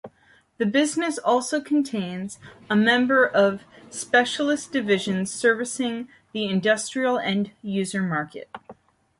The business also contains a member of specialist divisions servicing the industrial end-user market.